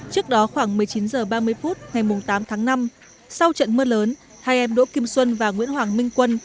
trước đó khoảng một mươi chín h ba mươi phút ngày tám tháng năm sau trận mưa lớn hai em đỗ kim xuân và nguyễn hoàng minh quân